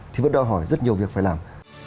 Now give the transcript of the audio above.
thì vẫn đòi hỏi rất nhiều việc phải làm